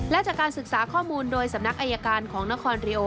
และจากการศึกษาข้อมูลโดยสำนักอายการของนครริโอ